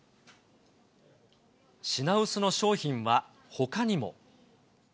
品薄の商品はほかにも。